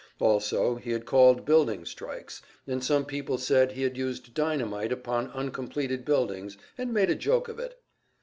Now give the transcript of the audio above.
Also he had called building strikes, and some people said he had used dynamite upon uncompleted buildings, and made a joke of it.